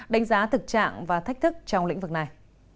đánh giá thực trạng và thách thức trong lĩnh vực này